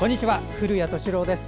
古谷敏郎です。